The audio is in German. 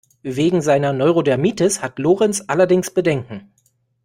Wegen seiner Neurodermitis hat Lorenz allerdings Bedenken.